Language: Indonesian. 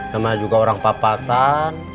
sama juga orang papasan